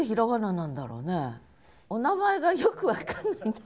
お名前がよく分かんないんだ。